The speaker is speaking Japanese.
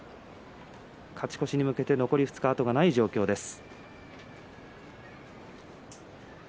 勝ち越しに向けて、あと２日後がない状況です。